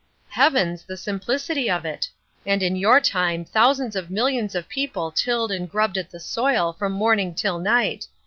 Heavens! the simplicity of it. And in your time thousands of millions of people tilled and grubbed at the soil from morning till night.